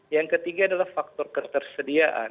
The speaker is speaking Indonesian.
yang ketiga adalah faktor ketersediaan